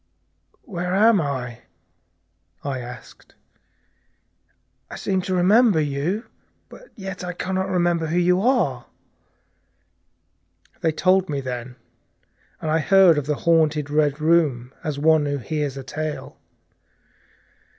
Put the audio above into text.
"Where am I?" I said. "I seem to remember you, and yet I can not remember who you are." They told me then, and I heard of the haunted Red Room as one who hears a tale.